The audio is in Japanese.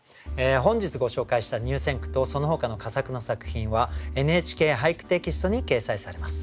本日ご紹介した入選句とそのほかの佳作の作品は「ＮＨＫ俳句」テキストに掲載されます。